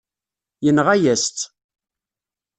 Yenɣa-yas-tt.